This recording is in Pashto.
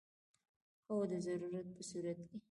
هو، د ضرورت په صورت کې